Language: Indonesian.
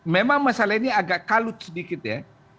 memang masalah ini agak kalut sedikit ya